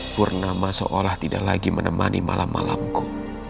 purnama seolah tidak lagi menemani malam malamku